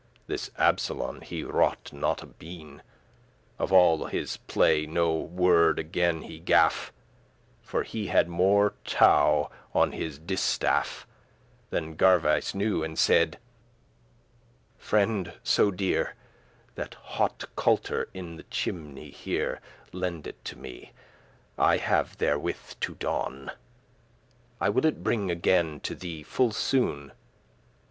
This Absolon he raughte* not a bean *recked, cared Of all his play; no word again he gaf*, *spoke For he had more tow on his distaff<39> Than Gerveis knew, and saide; "Friend so dear, That hote culter in the chimney here Lend it to me, I have therewith to don*: *do I will it bring again to thee full soon."